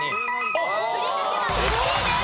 ふりかけは１位です。